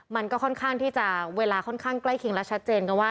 มันก็ค่อนข้างที่จะเวลาค่อนข้างใกล้เคียงและชัดเจนกันว่า